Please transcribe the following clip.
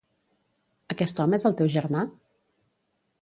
Aquest home és el teu germà?